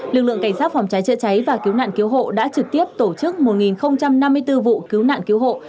lực lượng cảnh sát phòng cháy chữa cháy và cứu nạn cứu hộ đã trực tiếp tổ chức một năm mươi bốn vụ cứu nạn cứu hộ